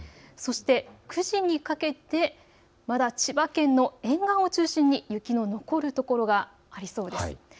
そして９時にかけてまだ千葉県の沿岸を中心に雪の残る所がありそうです。